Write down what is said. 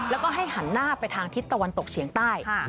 แล้วก็ให้หันหน้าไปทางทิศตะวันตกเฉียงใต้